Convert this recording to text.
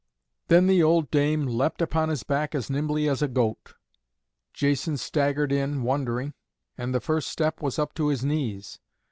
Then the old dame leapt upon his back as nimbly as a goat. Jason staggered in, wondering, and the first step was up to his knees.